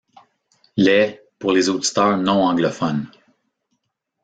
Les pour les auditeurs non anglophones.